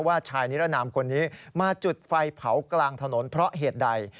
ชายนิรนามคนนี้มาจุดไฟเผากลางถนนเพราะเหตุใด